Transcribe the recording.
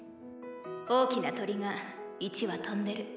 大きな鳥が一羽飛んでる。